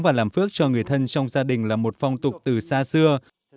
và làm phước cho người thân trong gia đình là một phong tục từ xa xưa